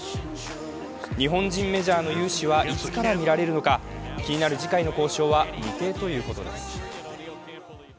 日本人メジャーの雄姿はいつから見られるのか気になる次回の交渉は未定ということです。